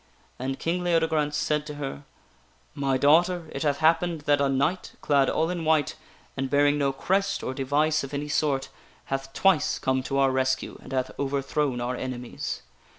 King Leodegrance said to her :" My daughter, it hath with the Lady happened that a knight clad all in white, and bearing no crest Guinevere. i r ~i ,> or device of any sort, hath twice come to our rescue and hath overthrown our enemies.